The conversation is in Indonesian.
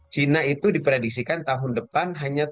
cina itu diprediksikan tahun depan hanya tumbuh